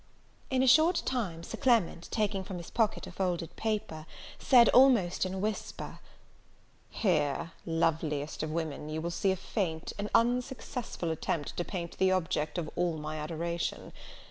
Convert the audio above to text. In a short time, Sir Clement, taking from his pocket a folded paper, said, almost in a whisper, "Here, loveliest of women, you will see a faint, an unsuccessful attempt to paint the object of all my adoration!